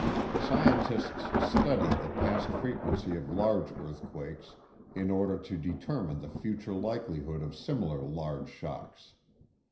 Scientists study the past frequency of large earthquakes in order to determine the future likelihood of similar large shocks.